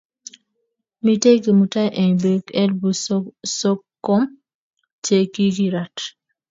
Mitei Kimutai eng bik elpu sokom che kikirat